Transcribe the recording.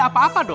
nggak usah nanya